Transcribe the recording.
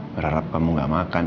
berharap kamu gak makan